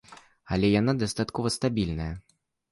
Але яна дастаткова стабільная.